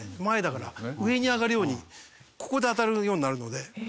前だから上に上がるようにここで当たるようになるので。